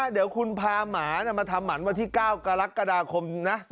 เดี๋ยวคุณพาหมามาทำหมันวันที่๙กรกฎาคมนะ